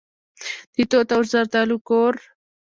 د توت او زردالو کور.